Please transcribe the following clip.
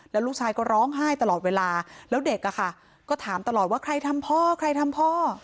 แล้วลูกชายก็ร้องไห้ตลอดเวลาแล้วเด็กอะค่ะก็ถามตลอดว่าใครทำพ่อใครทำพ่อ